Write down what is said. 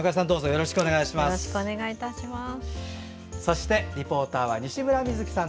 よろしくお願いします。